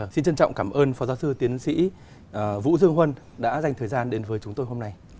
xin trân trọng cảm ơn phó giáo sư tiến sĩ vũ dương huân đã dành thời gian đến với chúng tôi hôm nay